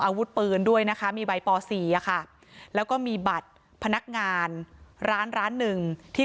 อาวุธปืนด้วยนะคะมีใบป๔อะค่ะแล้วก็มีบัตรพนักงานร้านร้านหนึ่งที่